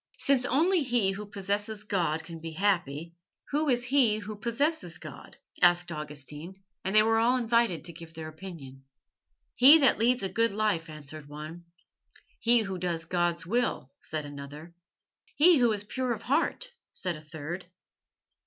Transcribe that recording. "Since only he who possesses God can be happy, who is he who possesses God?" asked Augustine, and they were all invited to give their opinion. "He that leads a good life," answered one. "He who does God's will," said another. "He who is pure of heart," said a third.